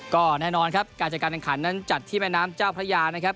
ก็แน่นอนครับการจัดการแข่งขันนั้นจัดที่แม่น้ำเจ้าพระยานะครับ